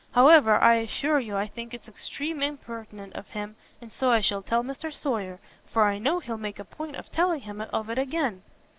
However, I assure you I think it's extreme impertinent of him, and so I shall tell Mr Sawyer, for I know he'll make a point of telling him of it again."